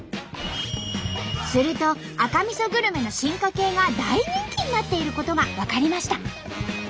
すると赤みそグルメの進化系が大人気になっていることが分かりました。